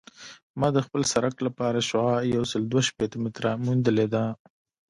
ما د خپل سرک لپاره شعاع یوسل دوه شپیته متره موندلې ده